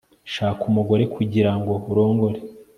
shaka umugore kugirango urongore